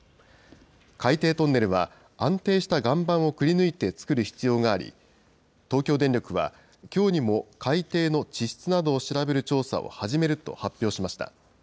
海底トンネルは、安定した岩盤をくりぬいて作る必要があり、東京電力は、きょうにも海底の地質などを調べる調査を始めると発表しました。